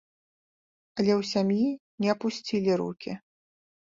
Але ў сям'і не апусцілі рукі.